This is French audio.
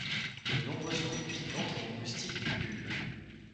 De nombreuses fourmis piquantes et des moustiques pullulent.